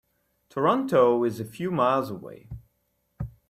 Toronto is a few miles away.